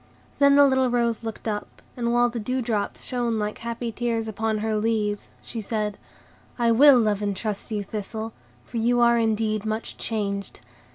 Then the little rose looked up, and while the dew drops shone like happy tears upon her leaves, she said,— "I WILL love and trust you, Thistle, for you are indeed much changed.